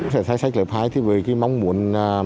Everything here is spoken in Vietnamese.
sẽ thay sách lớp hai thì với cái mong muốn